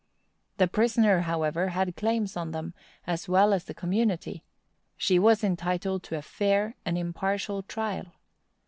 The prisoner, however, had claims on them, as well as the community; she was entitled to a fair and impartial trial.